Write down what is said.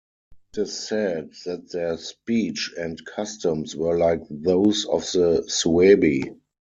It is said that their speech and customs were like those of the Suebi.